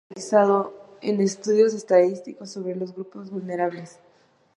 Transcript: Está especializado en estudios estadísticos sobre los grupos vulnerables.